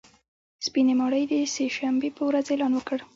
سپینې ماڼۍ د سې شنبې په ورځ اعلان وکړ